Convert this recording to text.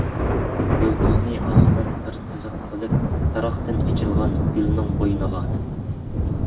يۇلتۇزنى ئاسىمەن بىر تىزىق قىلىپ، پىراقتىن ئېچىلغان گۈلنىڭ بوينىغا.